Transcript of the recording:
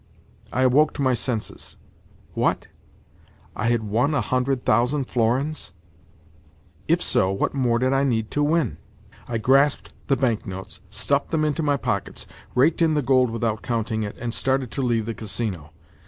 I awoke to my senses. What? I had won a hundred thousand florins? If so, what more did I need to win? I grasped the banknotes, stuffed them into my pockets, raked in the gold without counting it, and started to leave the Casino.